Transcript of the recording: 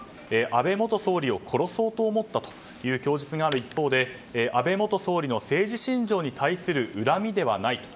安倍元総理を殺そうと思ったという供述がある一方で安倍元総理の政治信条に対する恨みではないと。